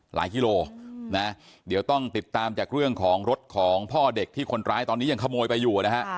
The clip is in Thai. กิโลนะเดี๋ยวต้องติดตามจากเรื่องของรถของพ่อเด็กที่คนร้ายตอนนี้ยังขโมยไปอยู่นะฮะ